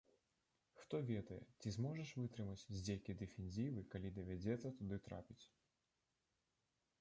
Хто ведае, ці зможаш вытрымаць здзекі дэфензівы, калі давядзецца туды трапіць?